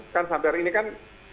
kan sampai hari ini kan